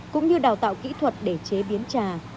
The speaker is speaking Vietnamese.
cũng như đào tạo kỹ thuật để chế biến trà